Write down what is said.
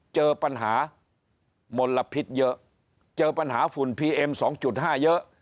เจอปัญหามลพิษเยอะเจอปัญหาฝุ่นพีเอ็ม๒๕เยอะ